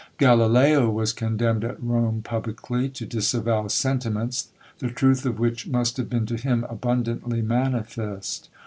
Galileo was condemned at Rome publicly to disavow sentiments, the truth of which must have been to him abundantly manifest.